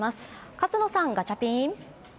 勝野さん、ガチャピン！